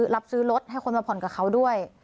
รับซื้อรถให้คนมาผ่อนกับเขาด้วย